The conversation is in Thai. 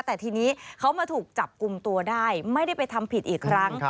แต่ทีนี้เขามาถูกจับกลุ่มตัวได้ไม่ได้ไปทำผิดอีกครั้ง